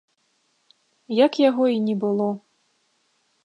Як яго і не было.